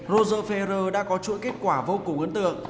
rose ferrer đã có chuỗi kết quả vô cùng ấn tượng